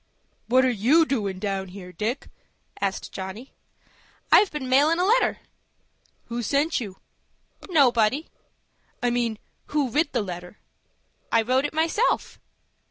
"What are you doin' down here, Dick?" asked Johnny. "I've been mailin' a letter." "Who sent you?" "Nobody." "I mean, who writ the letter?" "I wrote it myself."